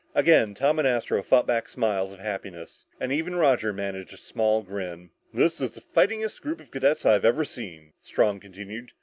Again Tom and Astro fought back smiles of happiness and even Roger managed a small grin. "This is the fightingest group of cadets I've ever seen," Strong continued.